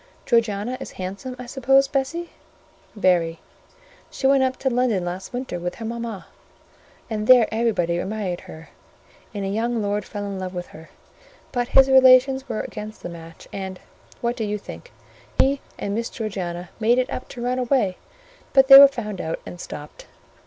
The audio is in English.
"Georgiana is handsome, I suppose, Bessie?" "Very. She went up to London last winter with her mama, and there everybody admired her, and a young lord fell in love with her: but his relations were against the match; and—what do you think?—he and Miss Georgiana made it up to run away; but they were found out and stopped.